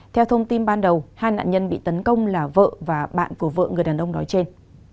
theo thông tin ban đầu hai nạn nhân bị tấn công là vợ và bạn của vợ người đàn ông nói trên